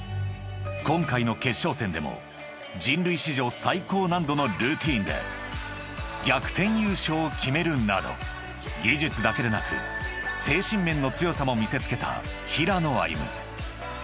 ［今回の決勝戦でも人類史上最高難度のルーティンで逆転優勝を決めるなど技術だけでなく精神面の強さも見せつけた平野歩夢］